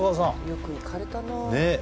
よく行かれたなねえ